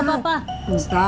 bentar udah ketemu dengan nyamil